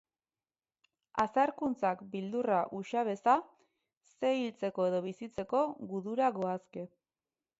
Azarkuntzak beldurra uxa beza, ze hiltzeko edo bizitzeko gudura goazke.